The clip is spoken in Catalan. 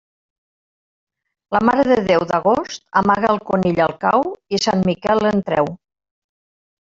La Mare de Déu d'agost amaga el conill al cau i Sant Miquel l'en treu.